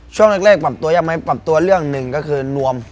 ช่วงแรกปรับตัวยากไหมปรับตัวเรื่องหนึ่งก็คือนวม